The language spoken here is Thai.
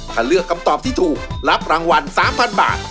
ถ้าเลือกคำตอบที่ถูกรับรางวัล๓๐๐๐บาท